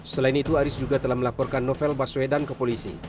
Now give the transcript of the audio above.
selain itu aris juga telah melaporkan novel baswedan ke polisi